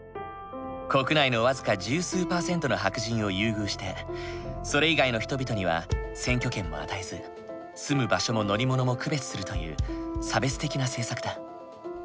国内の僅か十数％の白人を優遇してそれ以外の人々には選挙権も与えず住む場所も乗り物も区別するという差別的な政策だ。